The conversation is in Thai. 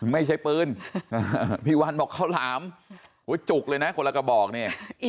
ไม่ใช่ปืนพี่วันบอกข้าวหลามจุกเลยนะคนละกระบอกเนี่ย